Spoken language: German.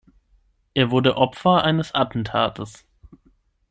Er wurde Opfer eines Attentates.